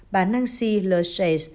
bà nancy l shays